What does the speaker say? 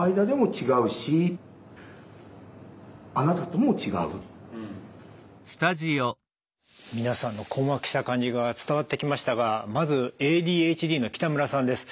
僕は何か知らないけど皆さんの困惑した感じが伝わってきましたがまずＡＤＨＤの北村さんです。